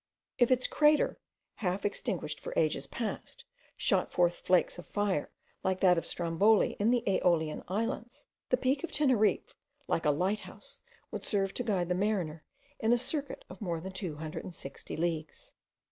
If its crater, half extinguished for ages past, shot forth flakes of fire like that of Stromboli in the Aeolian Islands, the peak of Teneriffe, like a lighthouse, would serve to guide the mariner in a circuit of more than 260 leagues.